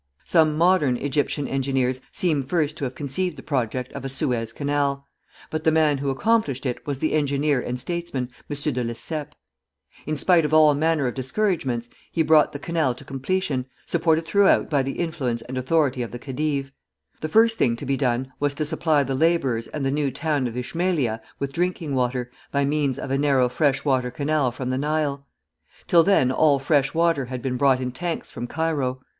Some modern Egyptian engineers seem first to have conceived the project of a Suez canal; but the man who accomplished it was the engineer and statesman, M. de Lesseps. In spite of all manner of discouragements, he brought the canal to completion, supported throughout by the influence and authority of the khedive. The first thing to be done was to supply the laborers and the new town of Ismaïlia with drinking water, by means of a narrow freshwater canal from the Nile. Till then all fresh water had been brought in tanks from Cairo.